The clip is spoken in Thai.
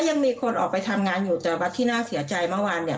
ยังมีคนออกไปทำงานอยู่แต่ว่าที่น่าเสียใจเมื่อวานเนี่ย